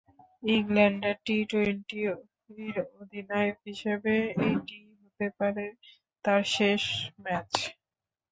ইংল্যান্ডের টি-টোয়েন্টি অধিনায়ক হিসেবে এটিই তাই হতে পারে তাঁর শেষ ম্যাচ।